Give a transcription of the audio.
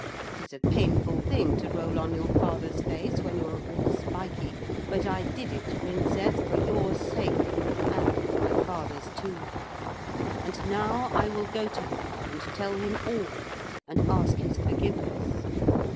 It is a painful thing to roll on your father's face when you are all spiky, but I did it, Princess, for your sake, and for my father's too. And now I will go to him and tell him all, and ask his forgiveness.'